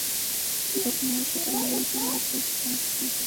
যোগমায়ার সই কাদম্বিনী যে মারা গিয়াছে তাহাতে কোনো সন্দেহ নাই।